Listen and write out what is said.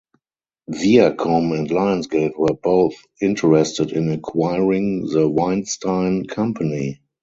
Viacom and Lionsgate were both interested in acquiring The Weinstein Company.